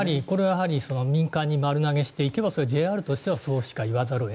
やはり民間に丸投げしていけばＪＲとしてはそれは、そうしか言わざるを」